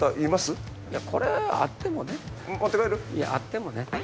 いやこれあってもね。